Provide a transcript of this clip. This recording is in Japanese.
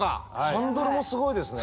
ハンドルもすごいですね。